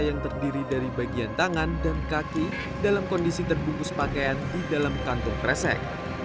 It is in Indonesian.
yang terdiri dari bagian tangan dan kaki dalam kondisi terbungkus pakaian di dalam kantung kresek